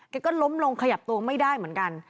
ก็ล้มลงขยับตัวไม่ได้เหมือนกัน